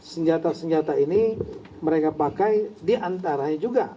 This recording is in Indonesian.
senjata senjata ini mereka pakai diantaranya juga